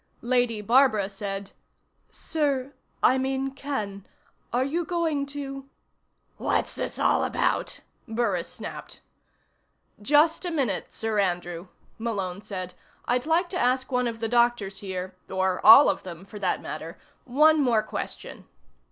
Lady Barbara said: "Sir I mean Ken are you going to " "What's this all about?" Burris snapped. "Just a minute, Sir Andrew," Malone said. "I'd like to ask one of the doctors here or all of them, for that matter one more question."